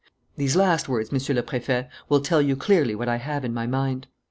These last words, Monsieur le Préfet, will tell you clearly what I have in my mind.